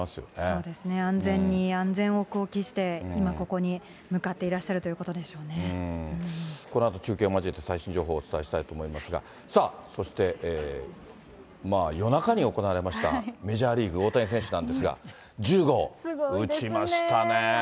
そうです、安全に安全をこう期して、今、ここに向かっていらっしゃるというこのあと中継を交えて、最新情報をお伝えしたいと思いますが、そして夜中に行われましたメジャーリーグ、大谷選手なんですが、１０号打ちましたね。